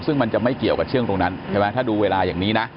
ซึ่งมันจะไม่เกี่ยวกับเชื่องตรงนั้นใช่ไหมถ้าดูเวลาอย่างนี้นะ